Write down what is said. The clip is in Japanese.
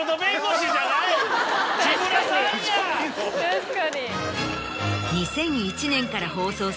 確かに。